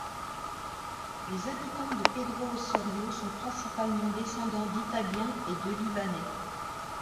Les habitants de Pedro Osório sont principalement descendants d'Italiens et de Libanais.